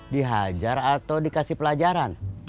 dihajar atau dikasih pelajaran